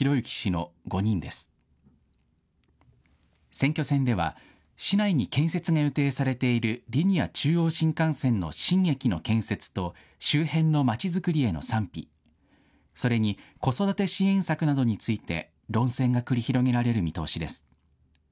選挙戦では、市内に建設が予定されているリニア中央新幹線の新駅の建設と、周辺のまちづくりへの賛否、それに子育て支援策などについて論戦が繰り広げられる見通しです。